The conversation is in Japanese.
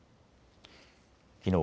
きのう